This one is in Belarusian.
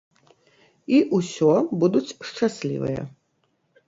І усё будуць шчаслівыя.